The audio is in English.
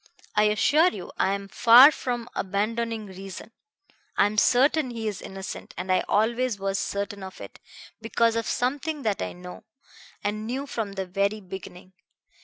"I assure you I am far from abandoning reason. I am certain he is innocent, and I always was certain of it, because of something that I know, and knew from the very beginning.